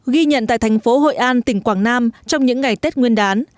ghi nhận tại thành phố hội an tỉnh quảng nam trong những ngày tết nguyên đán